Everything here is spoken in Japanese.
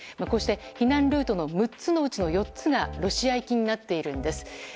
こうして避難ルートの６つのうちの４つがロシア行きになっているんです。